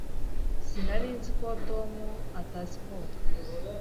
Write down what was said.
Sinari nzi ko Tom atazi koga.